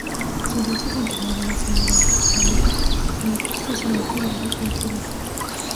Sus restos continuaron hacia el noroeste paralelo a la costa suroeste de Baja California.